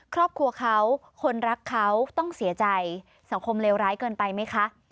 ครอบครัวเขาคนรักเขาต้องเสียใจสังคมเลวร้ายเกินไปไหมคะ